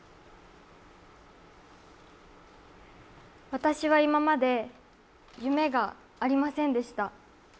私は今まで夢がありませんでした。